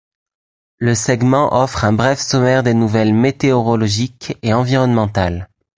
Le segment offre un bref sommaire des nouvelles météorologiques et environnementales.